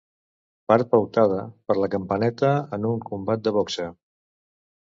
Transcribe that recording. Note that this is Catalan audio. Part pautada per la campaneta en un combat de boxa.